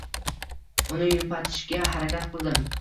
Uni yupatishga harakat qildim